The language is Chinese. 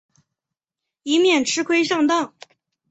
以免吃亏上当